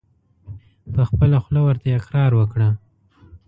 په خپله خوله ورته اقرار وکړه !